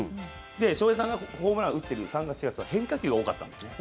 翔平さんがホームラン打ってる３月、４月は変化球が多かったんですね。